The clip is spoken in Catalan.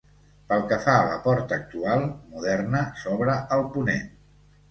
Pel que fa a la porta actual moderna s'obra al ponent.